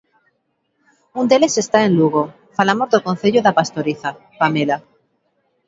Un deles está en Lugo, falamos do concello da Pastoriza, Pamela.